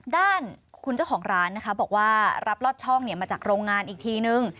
ด้านคุณเจ้าของร้านนะคะบอกว่ารับลอดช่องมาจากโรงงานอีกทีนึง